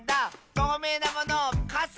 とうめいなものかさ！